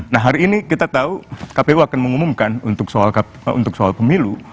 nah hari ini kita tahu kpu akan mengumumkan untuk soal pemilu